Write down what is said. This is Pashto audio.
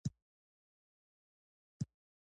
تواب ټوټه واخیسته بوی یې کړ توک یې.